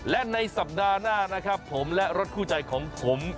และในสัปดาห์หน้านะครับผมและรถคู่ใจของผม